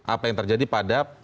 apa yang terjadi pada